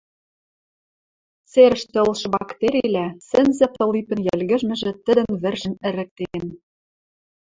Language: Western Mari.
Церӹштӹ ылшы бактерилӓ, сӹнзӓ тылипӹн йӹлгӹжмӹжӹ тӹдӹн вӹржӹм ӹрӹктен.